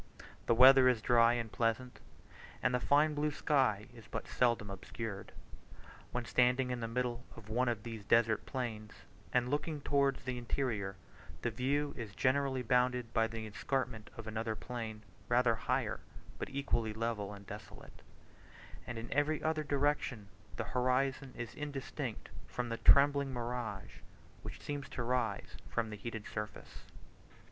The weather is dry and pleasant, and the fine blue sky is but seldom obscured. When standing in the middle of one of these desert plains and looking towards the interior, the view is generally bounded by the escarpment of another plain, rather higher, but equally level and desolate; and in every other direction the horizon is indistinct from the trembling mirage which seems to rise from the heated surface.